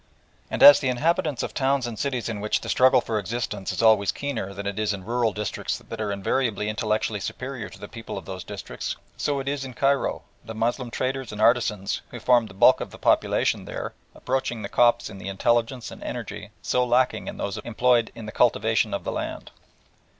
And as the inhabitants of towns and cities in which the struggle for existence is always keener than it is in rural districts are invariably intellectually superior to the people of those districts, so it was in Cairo, the Moslem traders and artisans, who formed the bulk of the population there, approaching the Copts in the intelligence and energy so lacking in those employed in the cultivation of the land.